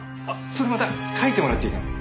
それまた描いてもらっていいかな？